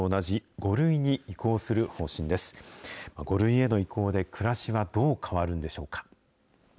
５類への移行で暮らしはどう変わるんでしょうか。